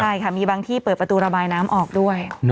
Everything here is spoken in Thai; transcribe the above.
ใช่ค่ะมีบางที่เปิดประตูระบายน้ำออกด้วย